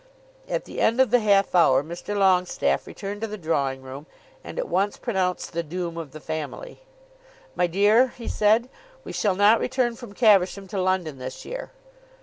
At the end of the half hour Mr. Longestaffe returned to the drawing room, and at once pronounced the doom of the family. "My dear," he said, "we shall not return from Caversham to London this year."